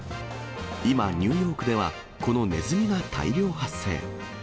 今、ニューヨークではこのネズミが大量発生。